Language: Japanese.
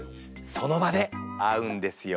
その場で会うんですよ。